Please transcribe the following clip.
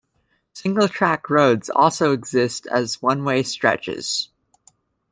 Single-track roads also exist as one-way stretches.